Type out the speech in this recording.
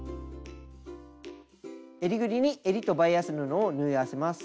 えりぐりにえりとバイアス布を縫い合わせます。